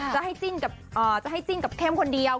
จะให้จิ้นกับเข้มคนเดียว